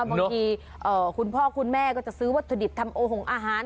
บางทีคุณพ่อคุณแม่ก็จะซื้อวัตถุดิบทำโอหงอาหาร